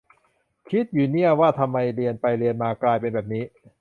คิดอยู่เนี่ย ว่าทำไมเรียนไปเรียนมากลายเป็นแบบนี้